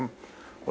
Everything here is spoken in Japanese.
これ。